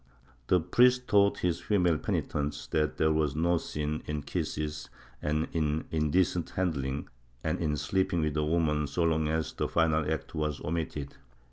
The priest taught his female penitents that there was no sin in kisses and in indecent handling and in sleeping with a woman so long as the final act was omitted.